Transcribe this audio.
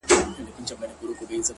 ما نن د هغې سترگي د غزل سترگو ته راوړې’